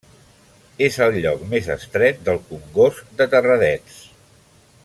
És al lloc més estret del Congost de Terradets.